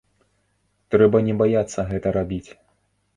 Трэба не баяцца гэта рабіць.